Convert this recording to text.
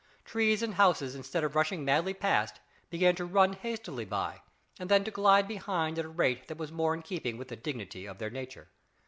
Trees and houses instead of rushing madly past began to run hastily by, and then to glide behind at a rate that was more in keeping with the dignity of their nature.